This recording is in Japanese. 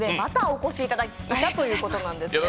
お越しいただいたということなんですね。